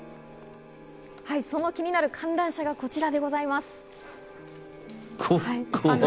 その気になる観覧車がこちらでございます。